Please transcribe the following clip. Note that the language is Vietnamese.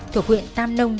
thuộc huyện tam nông